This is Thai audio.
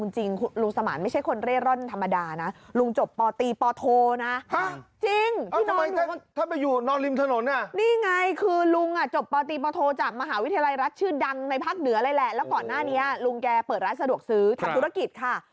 ใช่แหละแล้วก่อนหน้านี้ลุงแกเปิดร้านสะดวกซื้อถัดธุรกิจค่ะ